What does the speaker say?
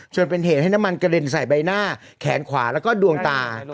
จนเป็นเหตุให้น้ำมันกระเด็นใส่ใบหน้าแขนขวาแล้วก็ดวงตา